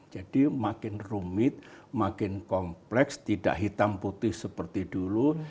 jadi makin rumit makin kompleks tidak hitam putih seperti dulu